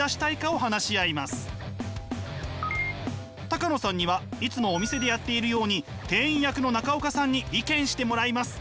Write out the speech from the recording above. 高野さんにはいつもお店でやっているように店員役の中岡さんに意見してもらいます。